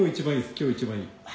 今日一番いい」